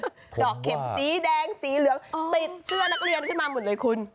ดอกเข็มสีแดงสีเหลืองติดเสื้อนักเรียนขึ้นมาหมดเลยคุณ